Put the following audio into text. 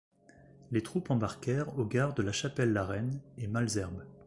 Les troupes embarquèrent aux gares de La Chapelle-la-Reine et Malesherbes.